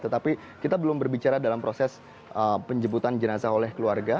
tetapi kita belum berbicara dalam proses penjemputan jenazah oleh keluarga